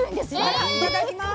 あらいただきます。